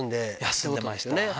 休んでました。